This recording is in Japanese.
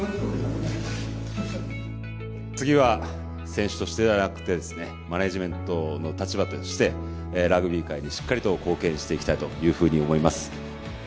次は選手としてではなくてですねマネージメントの立場としてラグビー界にしっかりと貢献していきたいというふうに思います。